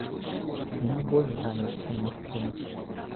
Яны больш ганяць, чым мужчыны.